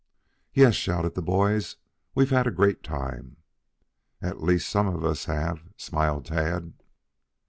"Yes," shouted the boys. "We've had a great time." "At least some of us have," smiled Tad.